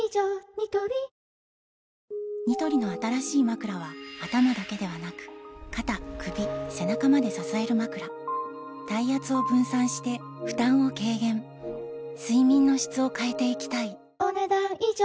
ニトリニトリの新しいまくらは頭だけではなく肩・首・背中まで支えるまくら体圧を分散して負担を軽減睡眠の質を変えていきたいお、ねだん以上。